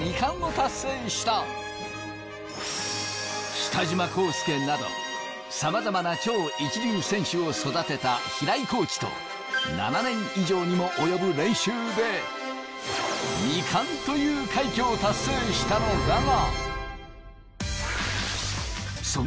北島康介などさまざまな超一流選手を育てた平井コーチと７年以上にも及ぶ練習で２冠という快挙を達成したのだが。